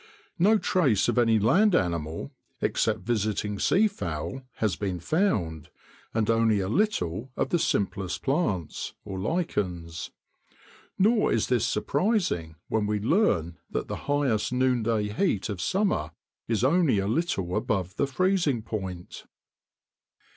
No trace of any land animal—except visiting sea fowl—has been found, and only a little of the simplest plants (lichens); nor is this surprising when we learn that the highest noonday heat of summer is only a little above the freezing point.